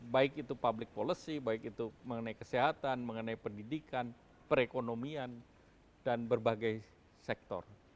baik itu public policy baik itu mengenai kesehatan mengenai pendidikan perekonomian dan berbagai sektor